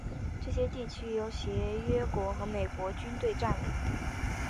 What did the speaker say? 这些地区由协约国和美国军队占领。